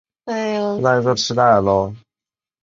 核心内涵应用技术